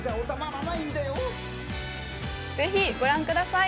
ぜひ、ご覧ください！